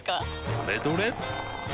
どれどれっ！